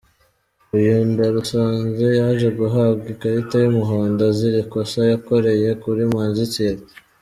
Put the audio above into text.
Uyu ndarusanze yaje guhabwa ikarita y'umuhondo azira ikosa yakoreye kuri Manzi Thierry.